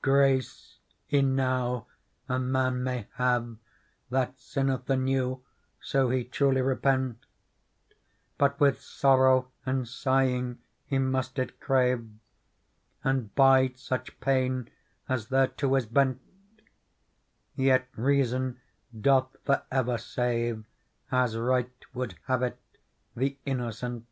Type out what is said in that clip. Digitized by Google PEARL 29 " Grace enow a man may have That sinneth anew, so he truly repent ; But with sorrow and sighing he must it crave. And bide such pain as thereto is bent. Yet reason doth for ever save, As right would have it, the innocent.